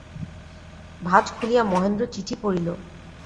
ভাঁজ খুলিয়া মহেন্দ্র চিঠি পড়িল।